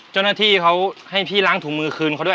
เจ้าหน้าที่เขาให้พี่ล้างถุงมือคืนเขาด้วย